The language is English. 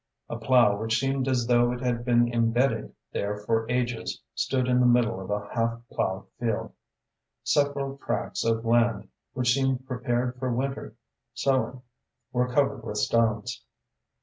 A plough which seemed as though it had been embedded there for ages, stood in the middle of a half ploughed field. Several tracts of land which seemed prepared for winter sowing were covered with stones.